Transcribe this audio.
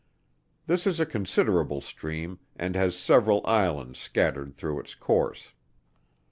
This is a considerable stream, and has several Islands scattered through its course.